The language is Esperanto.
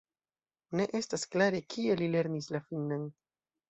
Ne estas klare, kie li lernis la finnan.